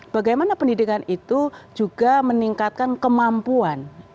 bagaimana pendidikan itu juga meningkatkan kemampuan